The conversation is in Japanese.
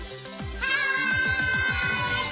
はい！